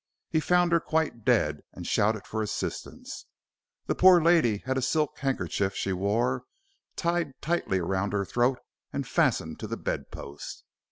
He found her quite dead and shouted for assistance. The poor lady had a silk handkerchief she wore tied tightly round her throat and fastened to the bedpost.